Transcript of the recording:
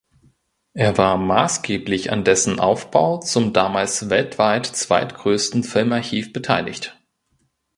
Er war maßgeblich an dessen Aufbau zum damals weltweit zweitgrößten Filmarchiv beteiligt.